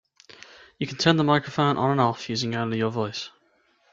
You can turn the microphone on and off using only your voice.